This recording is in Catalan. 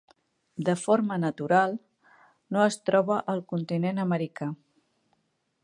De forma natural, no es troba al continent americà.